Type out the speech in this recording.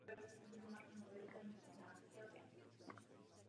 V této fázi se nacházelo lidstvo po většinu své existence až do průmyslové revoluce.